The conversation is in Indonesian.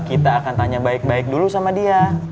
kita akan tanya baik baik dulu sama dia